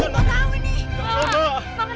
john kenapa john